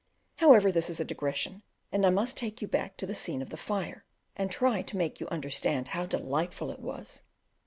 However, this is a digression, and I must take you back to the scene of the fire, and try to make you understand how delightful it was.